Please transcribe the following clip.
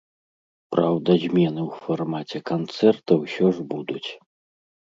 Праўда, змены ў фармаце канцэрта ўсё ж будуць.